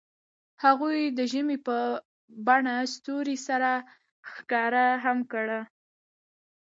هغوی د ژمنې په بڼه ستوري سره ښکاره هم کړه.